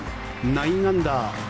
９アンダー。